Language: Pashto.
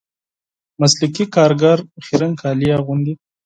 مسلکي کاریګر خیرن کالي اغوندي